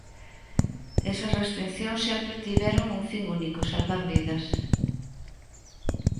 Esas restricións sempre tiveron un fin único: salvar vidas.